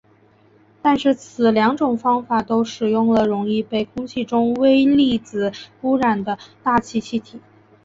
但是此两种方法都使用了容易被空气中微粒子污染的大气气体。